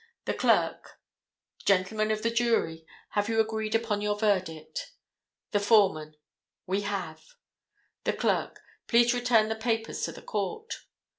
The clerk—Gentlemen of the jury, have you agreed upon your verdict? The foreman—We have. The clerk—Please return the papers to the court.